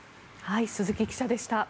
鈴木記者でした。